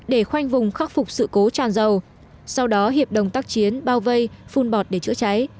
để khoanh vùng khắc phục sự cố tràn dầu sau đó hiệp đồng tác chiến bao vây phun bọt để chữa cháy